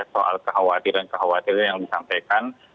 soal kekhawatiran kekhawatiran yang disampaikan